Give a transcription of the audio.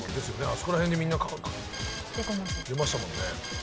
あそこら辺でみんな出ましたもんね。